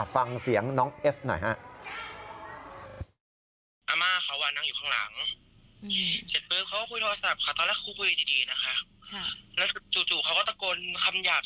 ฟังเสียงน้องเอฟหน่อยฮะ